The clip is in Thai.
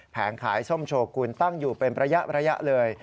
ขายส้มโชกุลตั้งอยู่เป็นระยะเลย